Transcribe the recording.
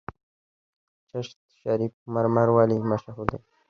چشت شریف مرمر ولې مشهور دي؟